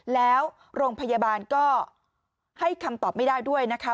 แล้วโรงพยาบาลก็ให้คำตอบไม่ได้ด้วยนะคะ